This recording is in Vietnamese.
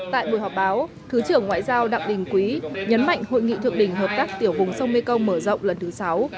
tại buổi họp báo thứ trưởng ngoại giao đặng đình quý nhấn mạnh hội nghị thượng đỉnh hợp tác tiểu vùng sông mekong mở rộng lần thứ sáu